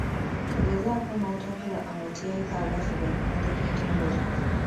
Togezaako n'otabula amateeka agafuga empandiika entongole.